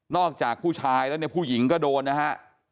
จากผู้ชายแล้วเนี่ยผู้หญิงก็โดนนะฮะ